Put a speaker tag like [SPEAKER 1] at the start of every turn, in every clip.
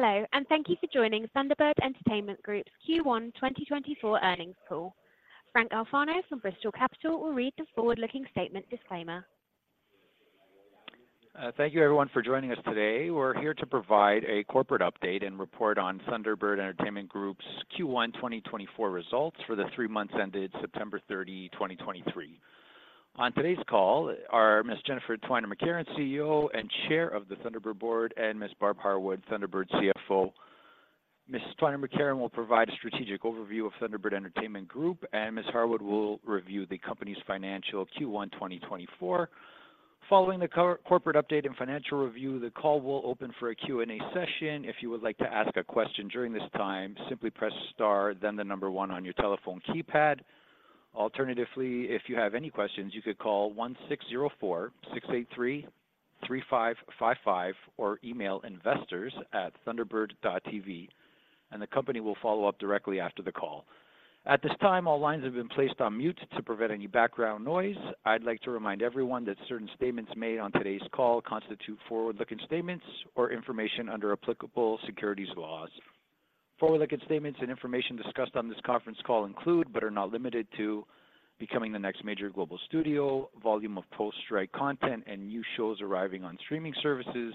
[SPEAKER 1] Hello, and thank you for joining Thunderbird Entertainment Group's Q1 2024 earnings call. Frank Alfano from Bristol Capital will read the forward-looking statement disclaimer.
[SPEAKER 2] Thank you everyone for joining us today. We're here to provide a corporate update and report on Thunderbird Entertainment Group's Q1 2024 results for the three months ended September 30, 2023. On today's call are Miss Jennifer Twiner McCarron, CEO and Chair of the Thunderbird Board, and Miss Barb Harwood, Thunderbird CFO. Miss Twiner McCarron will provide a strategic overview of Thunderbird Entertainment Group, and Miss Harwood will review the company's financial Q1 2024. Following the corporate update and financial review, the call will open for a Q&A session. If you would like to ask a question during this time, simply press star, then the number one on your telephone keypad. Alternatively, if you have any questions, you could call 1-604-683-3555 or email investors@thunderbird.tv, and the company will follow up directly after the call. At this time, all lines have been placed on mute to prevent any background noise. I'd like to remind everyone that certain statements made on today's call constitute forward-looking statements or information under applicable securities laws. Forward-looking statements and information discussed on this conference call include, but are not limited to, becoming the next major global studio, volume of post-strike content and new shows arriving on streaming services,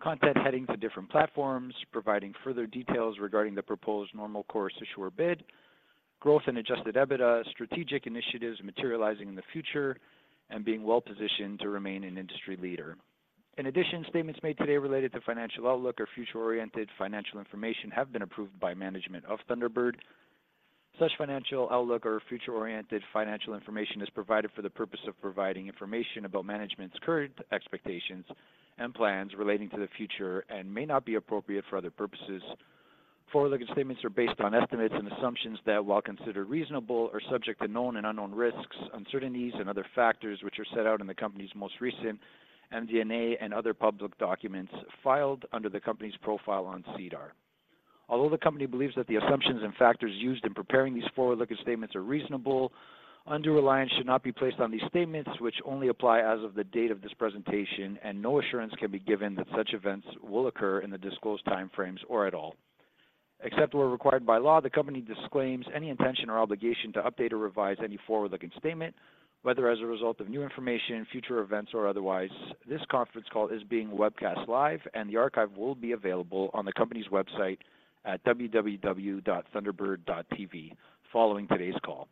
[SPEAKER 2] content heading to different platforms, providing further details regarding the proposed normal course issuer bid, growth in adjusted EBITDA, strategic initiatives materializing in the future, and being well-positioned to remain an industry leader. In addition, statements made today related to financial outlook or future-oriented financial information have been approved by management of Thunderbird. Such financial outlook or future-oriented financial information is provided for the purpose of providing information about management's current expectations and plans relating to the future and may not be appropriate for other purposes. Forward-looking statements are based on estimates and assumptions that, while considered reasonable, are subject to known and unknown risks, uncertainties, and other factors, which are set out in the company's most recent MD&A and other public documents filed under the company's profile on SEDAR. Although the company believes that the assumptions and factors used in preparing these forward-looking statements are reasonable, undue reliance should not be placed on these statements, which only apply as of the date of this presentation, and no assurance can be given that such events will occur in the disclosed time frames or at all. Except where required by law, the company disclaims any intention or obligation to update or revise any forward-looking statement, whether as a result of new information, future events, or otherwise. This conference call is being webcast live, and the archive will be available on the company's website at www.thunderbird.tv following today's call.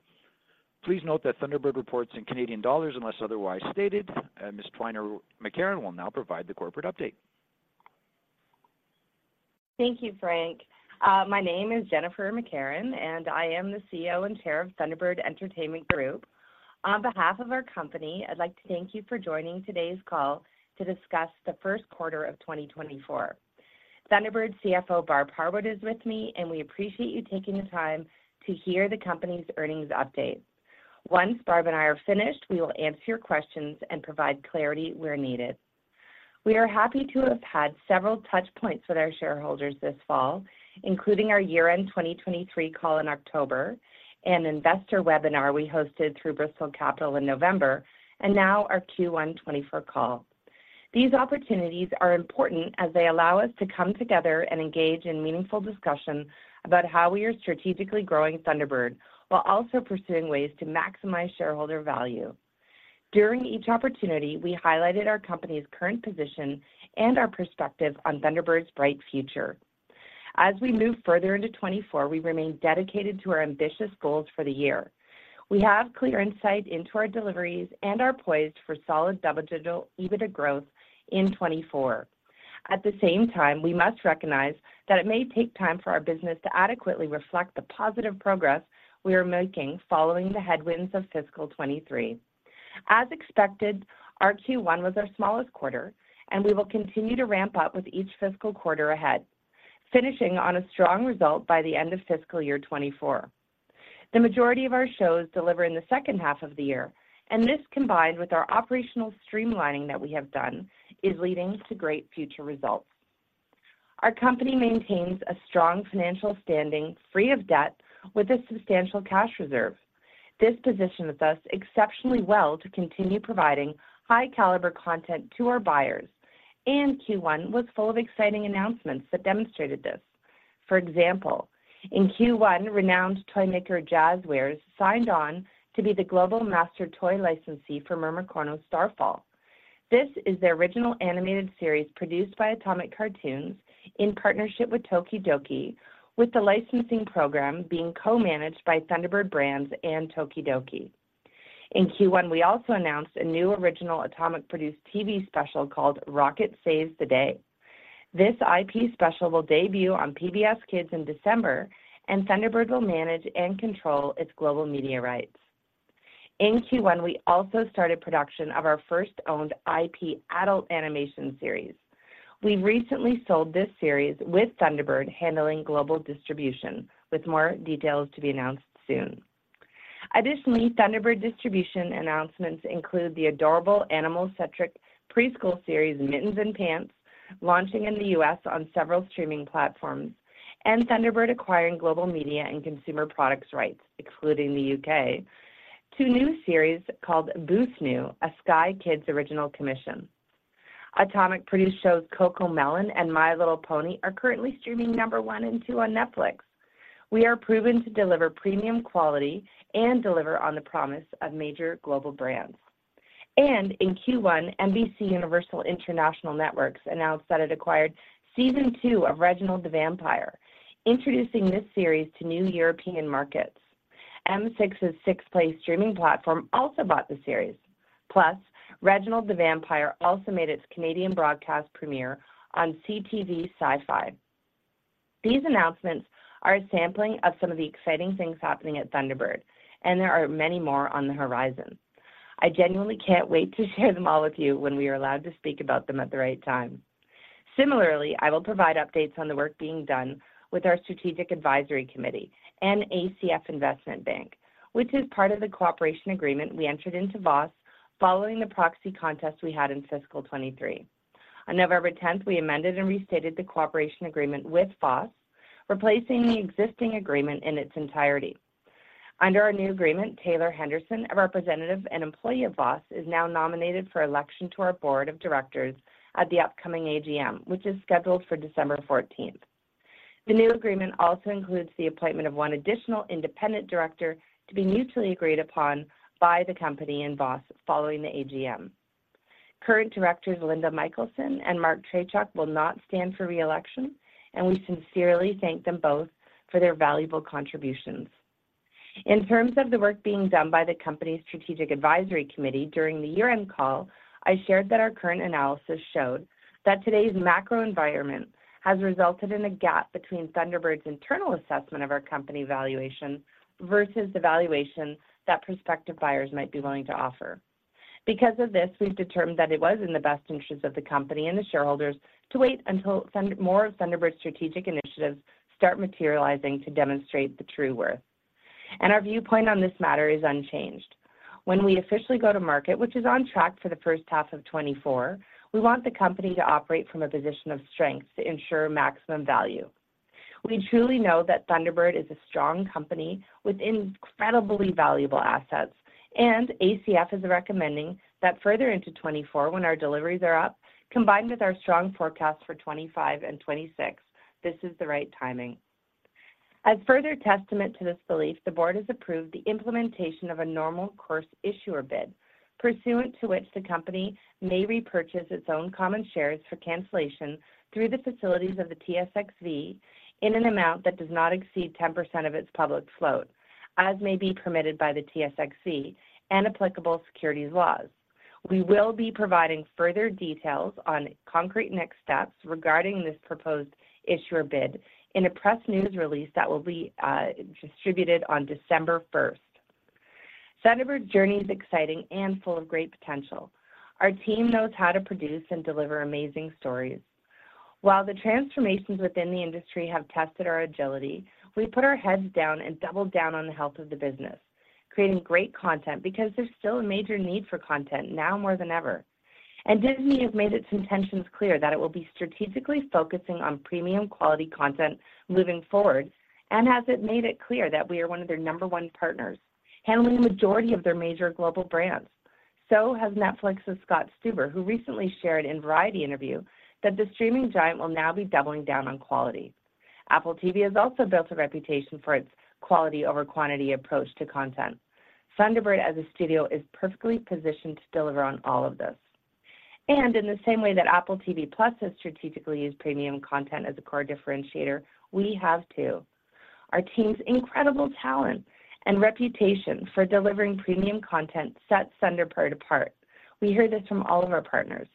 [SPEAKER 2] Please note that Thunderbird reports in Canadian dollars unless otherwise stated, and Ms. Twiner McCarron will now provide the corporate update.
[SPEAKER 3] Thank you, Frank. My name is Jennifer McCarron, and I am the CEO and Chair of Thunderbird Entertainment Group. On behalf of our company, I'd like to thank you for joining today's call to discuss the first quarter of 2024. Thunderbird CFO, Barb Harwood, is with me, and we appreciate you taking the time to hear the company's earnings update. Once Barb and I are finished, we will answer your questions and provide clarity where needed. We are happy to have had several touch points with our shareholders this fall, including our year-end 2023 call in October and Investor Webinar we hosted through Bristol Capital in November, and now our Q1 2024 call. These opportunities are important as they allow us to come together and engage in meaningful discussion about how we are strategically growing Thunderbird, while also pursuing ways to maximize shareholder value. During each opportunity, we highlighted our company's current position and our perspective on Thunderbird's bright future. As we move further into 2024, we remain dedicated to our ambitious goals for the year. We have clear insight into our deliveries and are poised for solid double-digit EBITDA growth in 2024. At the same time, we must recognize that it may take time for our business to adequately reflect the positive progress we are making following the headwinds of fiscal 2023. As expected, our Q1 was our smallest quarter, and we will continue to ramp up with each fiscal quarter ahead, finishing on a strong result by the end of fiscal year 2024. The majority of our shows deliver in the second half of the year, and this, combined with our operational streamlining that we have done, is leading to great future results. Our company maintains a strong financial standing, free of debt, with a substantial cash reserve. This positions us exceptionally well to continue providing high-caliber content to our buyers, and Q1 was full of exciting announcements that demonstrated this. For example, in Q1, renowned toymaker Jazwares signed on to be the global master toy licensee for Mermicorno: Starfall. This is the original animated series produced by Atomic Cartoons in partnership with tokidoki, with the licensing program being co-managed by Thunderbird Brands and tokidoki. In Q1, we also announced a new original Atomic-produced TV special called Rocket Saves the Day. This IP special will debut on PBS KIDS in December, and Thunderbird will manage and control its global media rights. In Q1, we also started production of our first owned IP adult animation series. We recently sold this series with Thunderbird handling global distribution, with more details to be announced soon. Additionally, Thunderbird Distribution announcements include the adorable animal-centric preschool series, Mittens & Pants, launching in the U.S. on several streaming platforms, and Thunderbird acquiring global media and consumer products rights, excluding the U.K., two new series called BooSnoo!, a Sky Kids original commission. Atomic-produced shows CoComelon and My Little Pony are currently streaming Number 1 and 2 on Netflix. We are proven to deliver premium quality and deliver on the promise of major global brands. In Q1, NBCUniversal International Networks announced that it acquired Season 2 of Reginald the Vampire, introducing this series to new European markets. M6's 6play streaming platform also bought the series. Plus, Reginald the Vampire also made its Canadian broadcast premiere on CTV Sci-Fi. These announcements are a sampling of some of the exciting things happening at Thunderbird, and there are many more on the horizon. I genuinely can't wait to share them all with you when we are allowed to speak about them at the right time. Similarly, I will provide updates on the work being done with our Strategic Advisory Committee and ACF Investment Bank, which is part of the cooperation agreement we entered into Voss following the proxy contest we had in fiscal 2023. On November 10, we amended and restated the cooperation agreement with Voss, replacing the existing agreement in its entirety. Under our new agreement, Taylor Henderson, a representative and employee of Voss, is now nominated for election to our Board of Directors at the upcoming AGM, which is scheduled for December 14. The new agreement also includes the appointment of one additional independent director to be mutually agreed upon by the company and Voss following the AGM. Current directors Linda Michaelson and Mark Trachuk will not stand for re-election, and we sincerely thank them both for their valuable contributions. In terms of the work being done by the company's Strategic Advisory Committee, during the year-end call, I shared that our current analysis showed that today's macro environment has resulted in a gap between Thunderbird's internal assessment of our company valuation versus the valuation that prospective buyers might be willing to offer. Because of this, we've determined that it was in the best interests of the company and the shareholders to wait until more of Thunderbird's strategic initiatives start materializing to demonstrate the true worth, and our viewpoint on this matter is unchanged. When we officially go to market, which is on track for the first half of 2024, we want the company to operate from a position of strength to ensure maximum value. We truly know that Thunderbird is a strong company with incredibly valuable assets, and ACF is recommending that further into 2024, when our deliveries are up, combined with our strong forecast for 2025 and 2026, this is the right timing. As further testament to this belief, the board has approved the implementation of a normal course issuer bid, pursuant to which the company may repurchase its own common shares for cancellation through the facilities of the TSXV in an amount that does not exceed 10% of its public float, as may be permitted by the TSXV and applicable securities laws. We will be providing further details on concrete next steps regarding this proposed issuer bid in a press news release that will be distributed on December 1st. Thunderbird's journey is exciting and full of great potential. Our team knows how to produce and deliver amazing stories. While the transformations within the industry have tested our agility, we put our heads down and doubled down on the health of the business, creating great content because there's still a major need for content, now more than ever. Disney has made its intentions clear that it will be strategically focusing on premium quality content moving forward, and has made it clear that we are one of their number one partners, handling the majority of their major global brands. Netflix's Scott Stuber has recently shared in Variety interview that the streaming giant will now be doubling down on quality. Apple TV has also built a reputation for its quality over quantity approach to content. Thunderbird, as a studio, is perfectly positioned to deliver on all of this. In the same way that Apple TV+ has strategically used premium content as a core differentiator, we have too. Our team's incredible talent and reputation for delivering premium content sets Thunderbird apart. We hear this from all of our partners.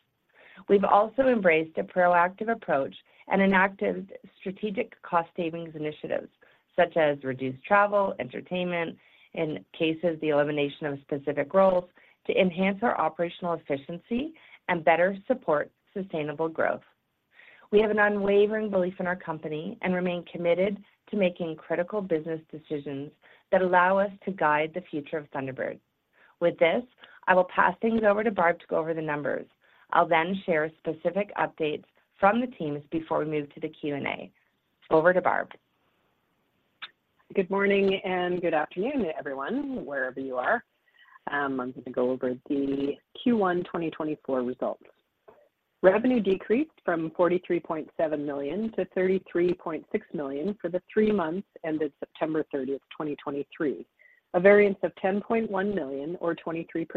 [SPEAKER 3] We've also embraced a proactive approach and enacted strategic cost savings initiatives such as reduced travel, entertainment, in cases, the elimination of specific roles, to enhance our operational efficiency and better support sustainable growth. We have an unwavering belief in our company and remain committed to making critical business decisions that allow us to guide the future of Thunderbird. With this, I will pass things over to Barb to go over the numbers. I'll then share specific updates from the teams before we move to the Q&A. Over to Barb.
[SPEAKER 4] Good morning and good afternoon, everyone, wherever you are. I'm going to go over the Q1 2024 results. Revenue decreased from 43.7 million to 33.6 million for the three months ended September 30, 2023, a variance of 10.1 million, or 23%,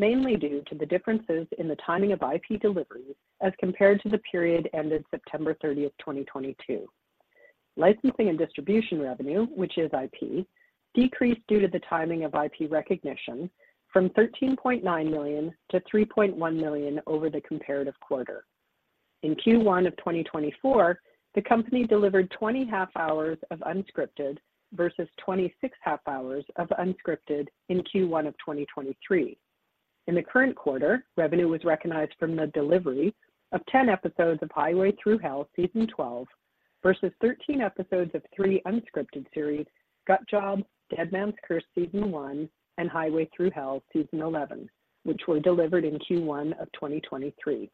[SPEAKER 4] mainly due to the differences in the timing of IP deliveries as compared to the period ended September 30, 2022. Licensing and distribution revenue, which is IP, decreased due to the timing of IP recognition from 13.9 million to 3.1 million over the comparative quarter. In Q1 of 2024, the company delivered 20 half-hours of unscripted versus 26 half-hours of unscripted in Q1 of 2023. In the current quarter, revenue was recognized from the delivery of 10 episodes of Highway Thru Hell, Season 12, versus 13 episodes of three unscripted series, Gut Job, Deadman's Curse Season 1, and Highway Thru Hell Season 11, which were delivered in Q1 of 2023.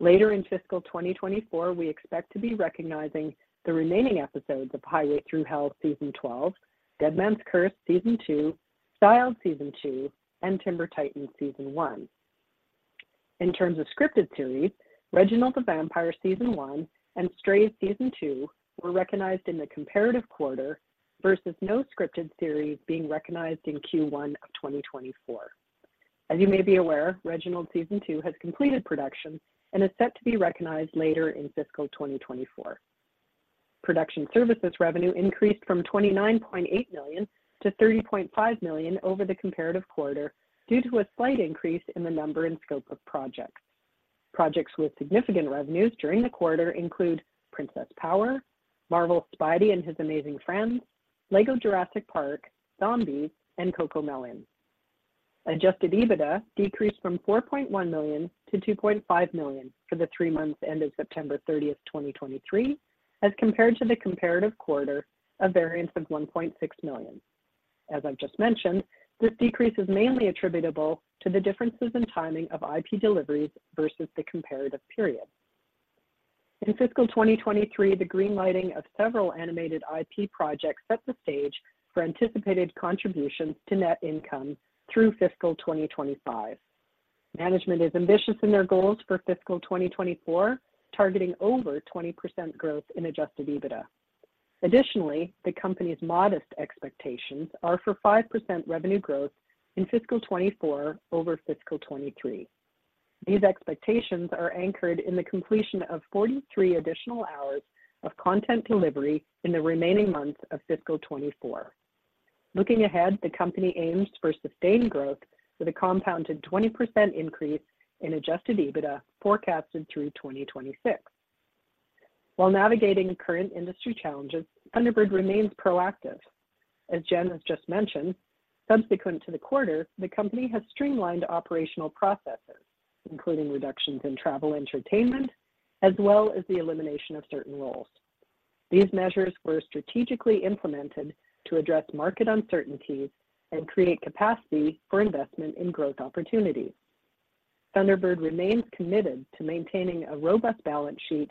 [SPEAKER 4] Later in fiscal 2024, we expect to be recognizing the remaining episodes of Highway Thru Hell: Season 12, Deadman's Curse: Season 2, Styled: Season 2, and Timber Titans: Season 1. In terms of scripted series, Reginald the Vampire: Season 1 and Strays: Season 2 were recognized in the comparative quarter versus no scripted series being recognized in Q1 of 2024. As you may be aware, Reginald Season 2 has completed production and is set to be recognized later in fiscal 2024. Production services revenue increased from 29.8 million to 30.5 million over the comparative quarter due to a slight increase in the number and scope of projects. Projects with significant revenues during the quarter include Princess Power, Marvel's Spidey and His Amazing Friends, LEGO Jurassic Park, Zombies, and CoComelon. Adjusted EBITDA decreased from 4.1 million to 2.5 million for the three months ending September 30, 2023, as compared to the comparative quarter, a variance of 1.6 million. As I've just mentioned, this decrease is mainly attributable to the differences in timing of IP deliveries versus the comparative period. In fiscal 2023, the green lighting of several animated IP projects set the stage for anticipated contributions to net income through fiscal 2025. Management is ambitious in their goals for fiscal 2024, targeting over 20% growth in adjusted EBITDA. Additionally, the company's modest expectations are for 5% revenue growth in fiscal 2024 over fiscal 2023. These expectations are anchored in the completion of 43 additional hours of content delivery in the remaining months of fiscal 2024. Looking ahead, the company aims for sustained growth, with a compounded 20% increase in adjusted EBITDA forecasted through 2026. While navigating current industry challenges, Thunderbird remains proactive. As Jen has just mentioned, subsequent to the quarter, the company has streamlined operational processes, including reductions in travel entertainment, as well as the elimination of certain roles. These measures were strategically implemented to address market uncertainties and create capacity for investment in growth opportunities. Thunderbird remains committed to maintaining a robust balance sheet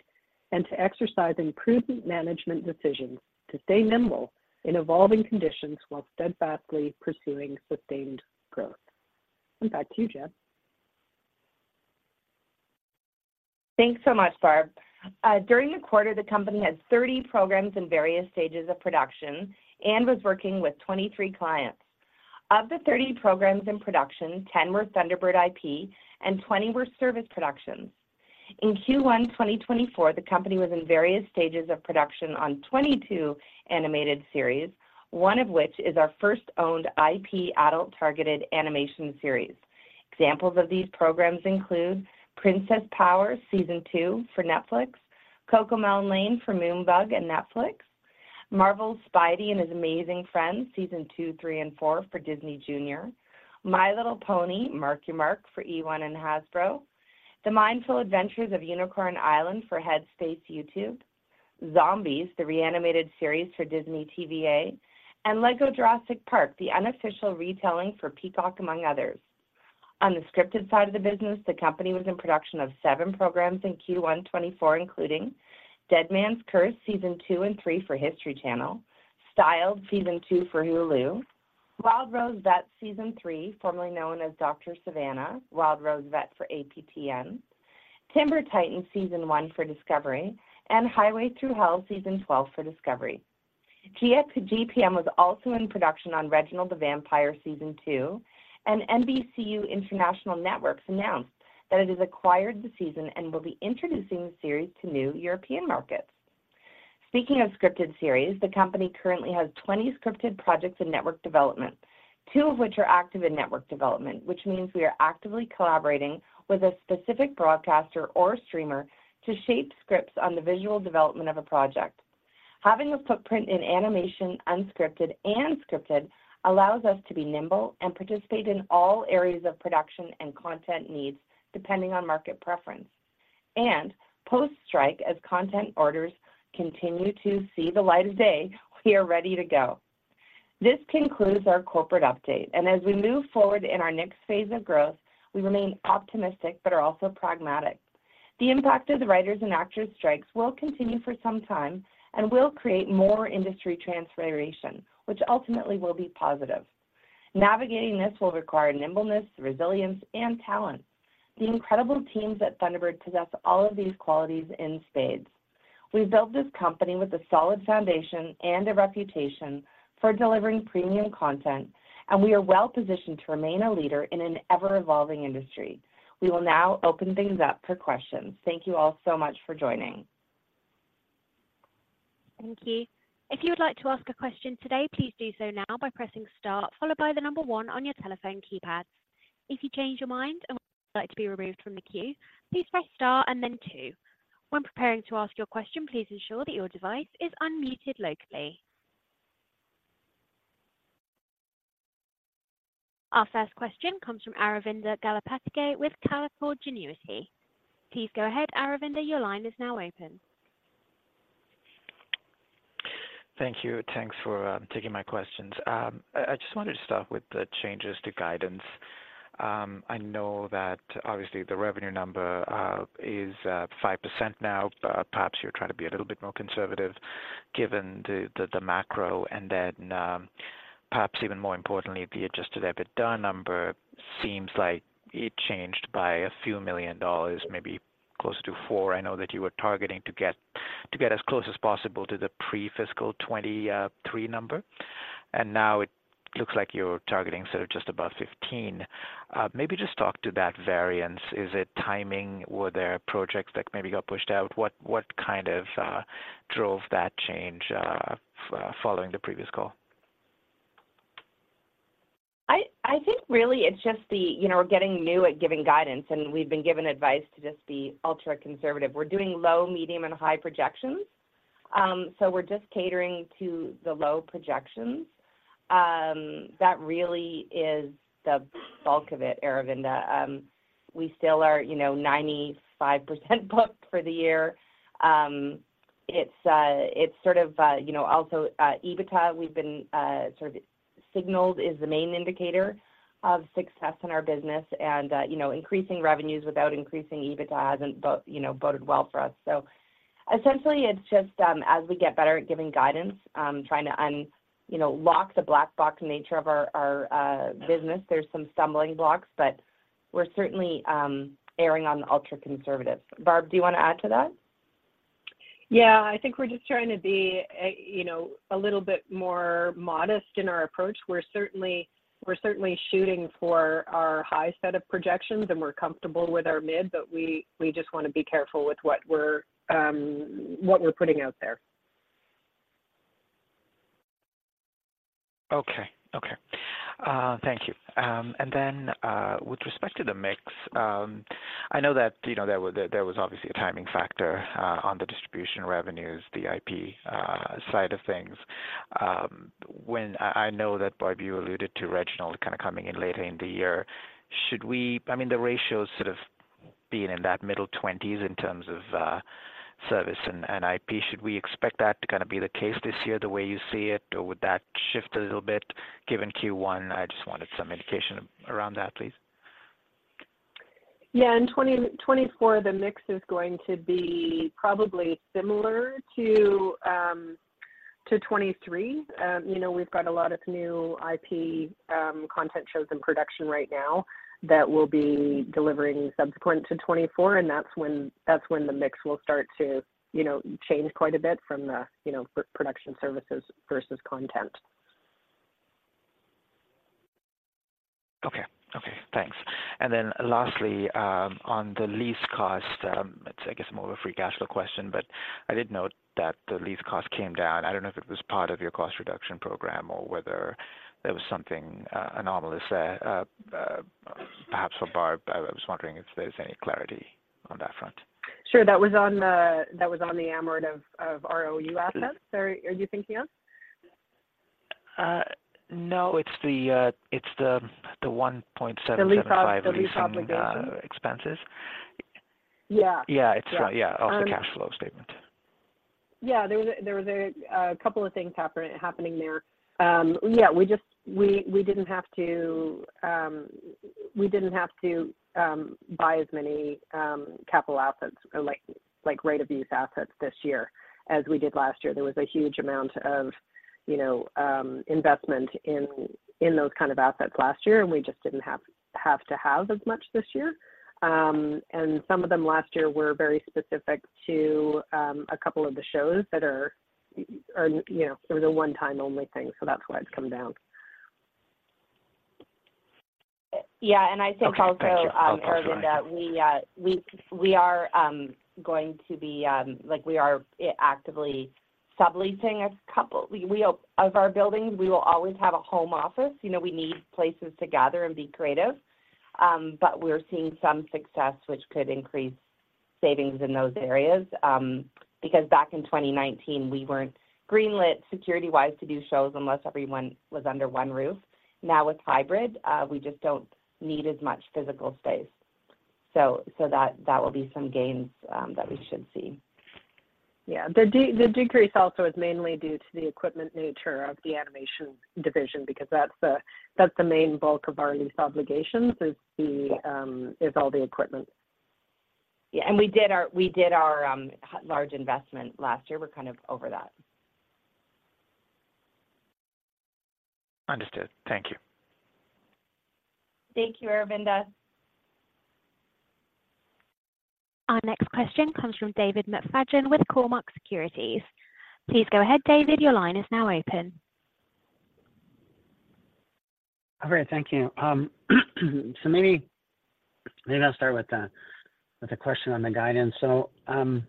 [SPEAKER 4] and to exercising prudent management decisions to stay nimble in evolving conditions while steadfastly pursuing sustained growth. And back to you, Jen.
[SPEAKER 3] Thanks so much, Barb. During the quarter, the company had 30 programs in various stages of production and was working with 23 clients. Of the 30 programs in production, 10 were Thunderbird IP and 20 were service productions. In Q1 2024, the company was in various stages of production on 22 animated series, one of which is our first-owned IP adult-targeted animation series. Examples of these programs include Princess Power: Season 2 for Netflix, CoComelon Lane for Moonbug and Netflix, Marvel's Spidey and His Amazing Friends, Season 2, 3, and 4 for Disney Junior, My Little Pony: Make Your Mark for eOne and Hasbro, The Mindful Adventures of Unicorn Island for Headspace YouTube, Zombies: The Re-Animated Series for Disney TVA, and LEGO Jurassic Park: The Unofficial Retelling for Peacock, among others. On the scripted side of the business, the company was in production of seven programs in Q1 2024, including Deadman's Curse Season 2 and 3 for History Channel, Styled Season 2 for Hulu, Wild Rose Vets Season 3, formerly known as Dr. Savannah: Wild Rose Vet for APTN, Timber Titans Season 1 for Discovery, and Highway Thru Hell Season 12 for Discovery. GPM was also in production on Reginald the Vampire Season 2, and NBCUniversal International Networks announced that it has acquired the season and will be introducing the series to new European markets. Speaking of scripted series, the company currently has 20 scripted projects in network development, two of which are active in network development, which means we are actively collaborating with a specific broadcaster or streamer to shape scripts on the visual development of a project. Having a footprint in animation, unscripted and scripted, allows us to be nimble and participate in all areas of production and content needs, depending on market preference. And post-strike, as content orders continue to see the light of day, we are ready to go. This concludes our corporate update, and as we move forward in our next phase of growth, we remain optimistic but are also pragmatic. The impact of the writers and actors strikes will continue for some time and will create more industry transformation, which ultimately will be positive. Navigating this will require nimbleness, resilience, and talent. The incredible teams at Thunderbird possess all of these qualities in spades. We built this company with a solid foundation and a reputation for delivering premium content, and we are well-positioned to remain a leader in an ever-evolving industry. We will now open things up for questions. Thank you all so much for joining.
[SPEAKER 1] Thank you. If you would like to ask a question today, please do so now by pressing star, followed by the number one on your telephone keypad. If you change your mind and would like to be removed from the queue, please press star and then two. When preparing to ask your question, please ensure that your device is unmuted locally. Our first question comes from Aravinda Galappathige with Canaccord Genuity. Please go ahead, Aravinda, your line is now open.
[SPEAKER 5] Thank you. Thanks for taking my questions. I just wanted to start with the changes to guidance. I know that obviously the revenue number is 5% now. Perhaps you're trying to be a little bit more conservative given the macro, and then, perhaps even more importantly, the adjusted EBITDA number seems like it changed by a few million dollars, maybe closer to 4 million. I know that you were targeting to get as close as possible to the pre-fiscal 2023 number, and now it looks like you're targeting sort of just above 15 million. Maybe just talk to that variance. Is it timing? Were there projects that maybe got pushed out? What kind of drove that change following the previous call?
[SPEAKER 3] I think really it's just the you know, we're getting new at giving guidance, and we've been given advice to just be ultra-conservative. We're doing low, medium, and high projections. So we're just catering to the low projections. That really is the bulk of it, Aravinda. We still are, you know, 95% booked for the year. It's sort of, you know, also EBITDA, we've been sort of signaled is the main indicator of success in our business. And you know, increasing revenues without increasing EBITDA hasn't boded well for us. So essentially, it's just as we get better at giving guidance, trying to unlock the black box nature of our business. There's some stumbling blocks, but we're certainly erring on the ultra-conservative. Barb, do you wanna add to that?
[SPEAKER 4] Yeah, I think we're just trying to be, you know, a little bit more modest in our approach. We're certainly, we're certainly shooting for our high set of projections, and we're comfortable with our mid, but we, we just wanna be careful with what we're, what we're putting out there.
[SPEAKER 5] Okay. Okay. Thank you. And then, with respect to the mix, I know that, you know, there was, there was obviously a timing factor, on the distribution revenues, the IP, side of things. When I, I know that, Barb, you alluded to Reginald kind of coming in later in the year. Should we, I mean, the ratio is sort of being in that middle 20s in terms of, service and, and IP. Should we expect that to kind of be the case this year, the way you see it, or would that shift a little bit given Q1? I just wanted some indication around that, please.
[SPEAKER 4] Yeah, in 2024, the mix is going to be probably similar to 2023. You know, we've got a lot of new IP content shows in production right now that we'll be delivering subsequent to 2024, and that's when, that's when the mix will start to, you know, change quite a bit from the production services versus content.
[SPEAKER 5] Okay. Okay, thanks. And then lastly, on the lease cost, it's, I guess, more of a free cash flow question, but I did note that the lease cost came down. I don't know if it was part of your cost reduction program or whether there was something anomalous there, perhaps for Barb. I was wondering if there's any clarity on that front.
[SPEAKER 4] Sure. That was on the amortization of ROU assets. Are you thinking of?
[SPEAKER 5] No, it's the 1.75.
[SPEAKER 4] The lease obligation?
[SPEAKER 5] Expenses.
[SPEAKER 4] Yeah.
[SPEAKER 5] Yeah, it's, yeah.
[SPEAKER 4] Um.
[SPEAKER 5] Off the cash flow statement.
[SPEAKER 4] Yeah, there was a couple of things happening there. Yeah, we just—we didn't have to buy as many capital assets or like right of use assets this year as we did last year. There was a huge amount of, you know, investment in those kind of assets last year, and we just didn't have to have as much this year. And some of them last year were very specific to a couple of the shows that are, you know, they were a one-time only thing, so that's why it's come down.
[SPEAKER 3] Yeah, and I think also.
[SPEAKER 5] Okay. Thank you.
[SPEAKER 3] Aravinda, we are going to be, like we are actively subleasing a couple of our buildings. We will always have a home office. You know, we need places to gather and be creative. But we're seeing some success, which could increase savings in those areas. Because back in 2019, we weren't greenlit security-wise to do shows unless everyone was under one roof. Now, with hybrid, we just don't need as much physical space, so that will be some gains that we should see.
[SPEAKER 4] Yeah, the decrease also is mainly due to the equipment nature of the animation division, because that's the, that's the main bulk of our lease obligations, is the, is all the equipment.
[SPEAKER 3] Yeah, and we did our large investment last year. We're kind of over that.
[SPEAKER 5] Understood. Thank you.
[SPEAKER 3] Thank you, Aravinda.
[SPEAKER 1] Our next question comes from David McFadgen with Cormark Securities. Please go ahead, David. Your line is now open.
[SPEAKER 6] All right, thank you. So maybe, maybe I'll start with the question on the guidance. So, you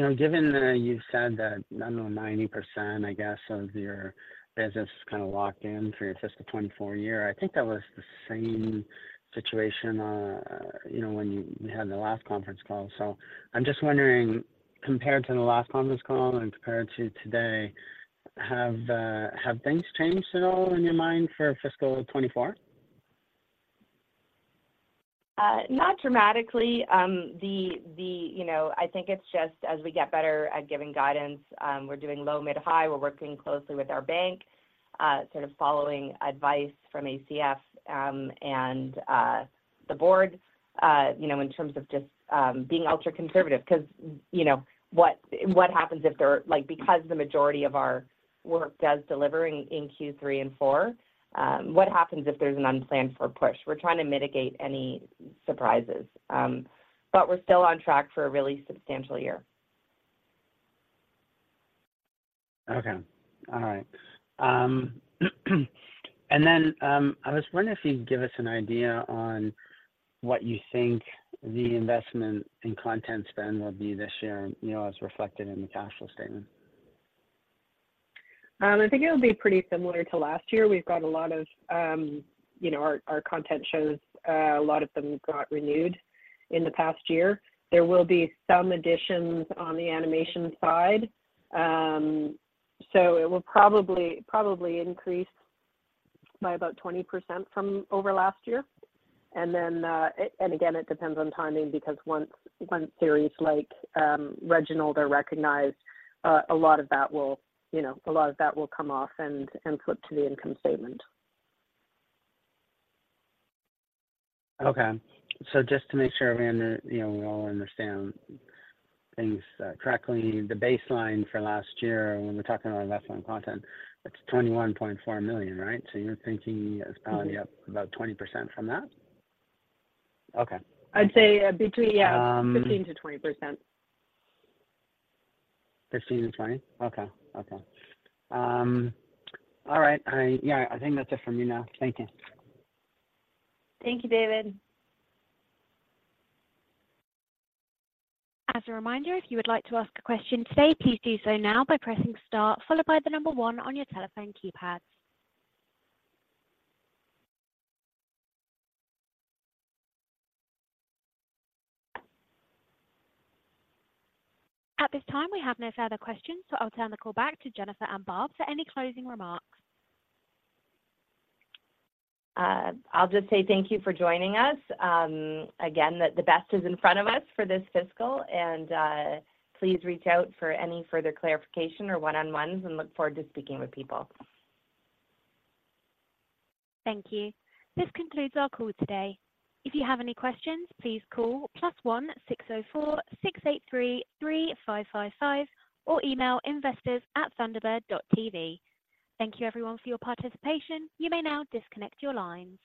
[SPEAKER 6] know, given that you've said that, I don't know, 90%, I guess, of your business is kind of locked in for your fiscal 2024 year, I think that was the same situation, you know, when you had the last conference call. So I'm just wondering, compared to the last conference call and compared to today, have things changed at all in your mind for fiscal 2024?
[SPEAKER 3] Not dramatically. The, the, you know, I think it's just as we get better at giving guidance, we're doing low, mid, high. We're working closely with our bank, sort of following advice from ACF, and, the Board, you know, in terms of just, being ultra-conservative. 'Cause, you know, what happens if there, like, because the majority of our work does deliver in Q3 and Q4, what happens if there's an unplanned for push? We're trying to mitigate any surprises. But we're still on track for a really substantial year.
[SPEAKER 6] Okay. All right. And then, I was wondering if you'd give us an idea on what you think the investment in content spend will be this year, you know, as reflected in the cash flow statement?
[SPEAKER 4] I think it'll be pretty similar to last year. We've got a lot of, you know, our content shows. A lot of them got renewed in the past year. There will be some additions on the animation side. So it will probably, probably increase by about 20% from over last year. And then, and again, it depends on timing, because once series like Reginald are recognized, a lot of that will, you know, a lot of that will come off and flip to the income statement.
[SPEAKER 6] Okay. So just to make sure we, you know, we all understand things correctly, the baseline for last year when we're talking about investment content, it's 21.4 million, right? So you're thinking it's probably up about 20% from that? Okay.
[SPEAKER 4] I'd say between, yeah.
[SPEAKER 6] Um.
[SPEAKER 4] 15%-20%.
[SPEAKER 6] 15%-20%? Okay. Okay. All right. I, yeah, I think that's it from me now. Thank you.
[SPEAKER 3] Thank you, David.
[SPEAKER 1] As a reminder, if you would like to ask a question today, please do so now by pressing star followed by the number one on your telephone keypad. At this time, we have no further questions, so I'll turn the call back to Jennifer and Barb for any closing remarks.
[SPEAKER 3] I'll just say thank you for joining us. Again, that the best is in front of us for this fiscal, and please reach out for any further clarification or one-on-ones, and look forward to speaking with people.
[SPEAKER 1] Thank you. This concludes our call today. If you have any questions, please call +1-604-683-5555 or email investors@thunderbird.tv. Thank you everyone for your participation. You may now disconnect your line.